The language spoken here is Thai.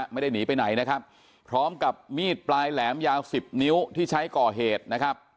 ไม่ได้หนีไปไหนนะครับพร้อมกับมีดปลายแหลมยาวสิบนิ้วที่ใช้ก่อเหตุนะครับ